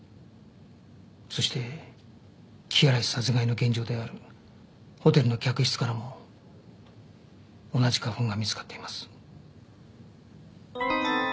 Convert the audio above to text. そして木原氏殺害の現場であるホテルの客室からも同じ花粉が見つかっています。